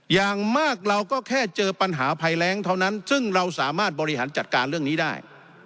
อย่างมากเราก็แค่เจอปัญหาภัยแรงเท่านั้นซึ่งเราสามารถบริหารจัดการเรื่องนี้ได้